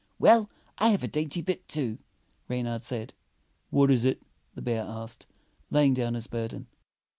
"Well, I have a dainty bit, too," Reynard said. "What is it.^ " the bear asked, laying down his burden.